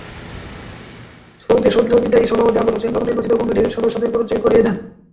শুরুতে সদ্যবিদায়ী সভাপতি আবুল হোসেন নবনির্বাচিত কমিটির সদস্যদের পরিচয় করিয়ে দেন।